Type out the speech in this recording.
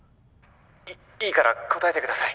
いいから答えてください